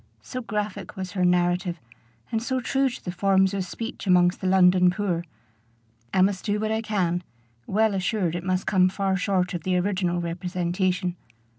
so graphic was her narrative, and so true to the forms of speech amongst the London poor. I must do what I can, well assured it must come far short of the original representation.